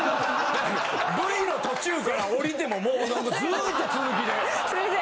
Ｖの途中から降りてももう何かずっと続きで。